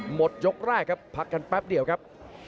หมดยกแรกครับพักกันแป๊บเดียวครับ